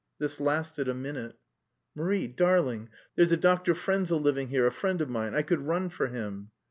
This lasted a minute. "Marie darling, there's a doctor Frenzel living here, a friend of mine.... I could run for him."